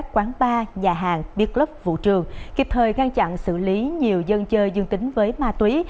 quán bar nhà hàng biệt club vụ trường kịp thời ngăn chặn xử lý nhiều dân chơi dương tính với ma túy